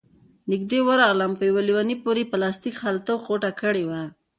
نږدې ورغلم، په يوه ليوني پورې يې پلاستيکي خلطه غوټه کړې وه،